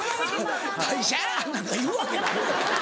「退社や！」なんか言うわけないやろ。